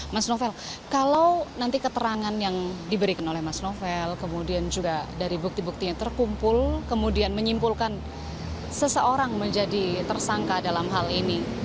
mas novel kalau nanti keterangan yang diberikan oleh mas novel kemudian juga dari bukti buktinya terkumpul kemudian menyimpulkan seseorang menjadi tersangka dalam hal ini